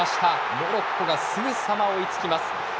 モロッコがすぐさま追いつきます。